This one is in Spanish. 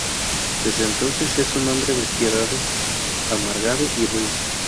Desde entonces es un hombre despiadado, amargado y ruin.